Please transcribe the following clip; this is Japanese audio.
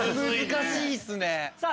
難しいっすね。